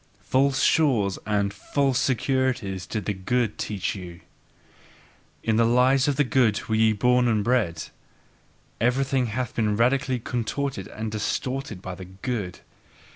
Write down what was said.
False shores and false securities did the good teach you; in the lies of the good were ye born and bred. Everything hath been radically contorted and distorted by the good.